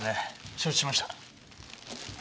承知しました。